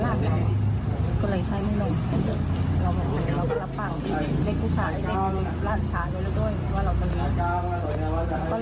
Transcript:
เราก็รับปางที่เล็กผู้ชายเด็กร่านผู้ชายเยอะด้วย